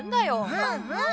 うんうん。